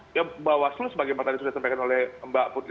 panwaslu sebagai yang tadi sudah disampaikan oleh mbak fudzi